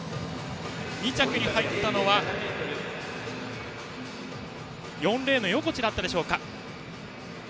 ２着に入ったのは４レーンの横地だったでしょうか。